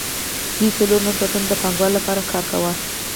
دوی څلور نور ساعتونه د پانګوال لپاره کار کاوه